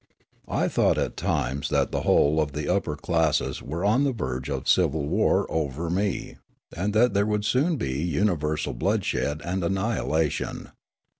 I thought at times that the whole of the upper classes were on the verge of civil war over me, and that there would soon be universal bloodshed and annihilation.